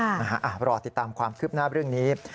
รอติดตามความคืบหน้าเรื่องนี้